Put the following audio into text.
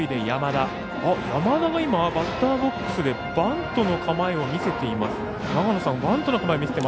山田がバッターボックスでバントの構えを見せています。